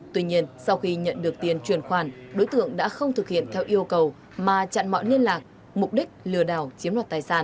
tuy nhiên sau khi nhận được tiền truyền khoản đối tượng đã không thực hiện theo yêu cầu mà chặn mọi liên lạc mục đích lừa đảo chiếm đoạt tài sản